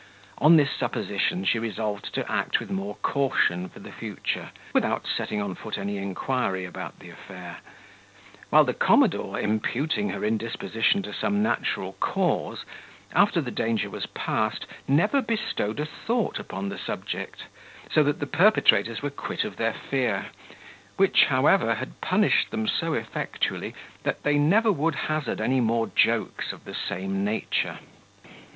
On this supposition, she resolved to act with more caution for the future, without setting on foot any inquiry about the affair; while the commodore, imputing her indisposition to some natural cause, after the danger was past, never bestowed a thought upon the subject; so that the perpetrators were quit of their fear, which, however, had punished them so effectually, that they never would hazard any more jokes of the same nature.